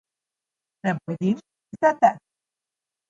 Ne bojim se te.